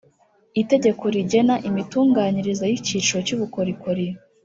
Itegeko rigena imitunganyirize y icyiciro cy ubukorikori